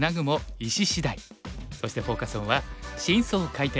そしてフォーカス・オンは「新装開店！